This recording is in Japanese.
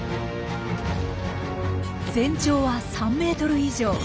全長は３ｍ以上。